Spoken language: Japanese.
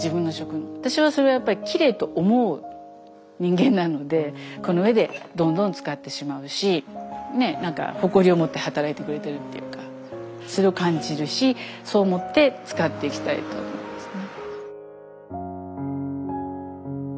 私はそれをキレイと思う人間なのでこの上でどんどん使ってしまうし誇りを持って働いてくれているっていうかそれを感じるしそう思って使っていきたいと思いますね。